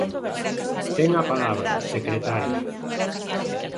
Ten a palabra, secretario.